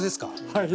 はい。